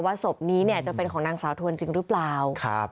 ศพนี้เนี่ยจะเป็นของนางสาวทวนจริงหรือเปล่า